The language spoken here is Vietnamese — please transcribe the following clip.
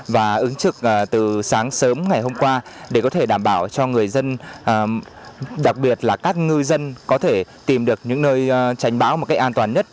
và ứng trực từ sáng sớm ngày hôm qua để có thể đảm bảo cho người dân đặc biệt là các ngư dân có thể tìm được những nơi tránh bão một cách an toàn nhất